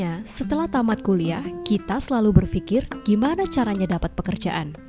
ya setelah tamat kuliah kita selalu berpikir gimana caranya dapat pekerjaan